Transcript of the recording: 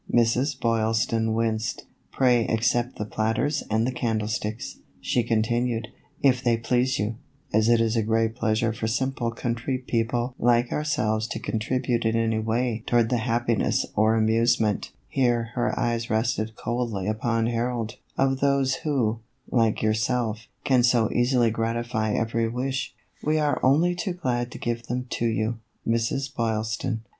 Mrs. Boylston winced. " Pray accept the platters and the candlesticks," she continued, "if they please you, as it is a great pleasure for simple country people like ourselves to contribute in any way toward the happiness or amusement " (here her eyes rested coldly upon Harold) "of those who, like yourself, can so easily gratify every wish. We are only too glad to give them to you, Mrs. Boyl ston.